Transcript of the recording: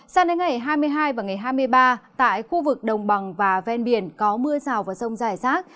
sang đến ngày hai mươi hai và ngày hai mươi ba tại khu vực đồng bằng và ven biển có mưa rào và rông dài rác